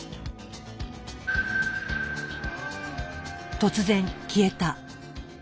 突然消えた。